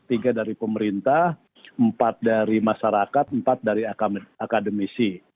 tiga dari pemerintah empat dari masyarakat empat dari akademisi